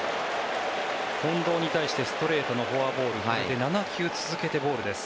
近藤に対してストレートのフォアボール７球続けてボールです。